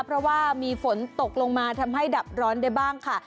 เพราะว่ามีฝนตกลงมาทำให้ดับร้อนได้บ้างค่ะ